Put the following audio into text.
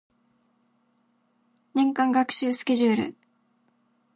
年間学習スケジュール